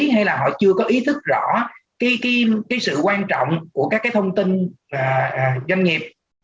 hay là họ chưa có ý thức rõ cái sự quan trọng của các cái thông tin doanh nghiệp